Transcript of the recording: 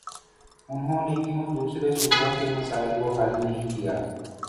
انہوں نے کیوں دوسرے صوبوں کے مسائل کو حل نہیں کیا؟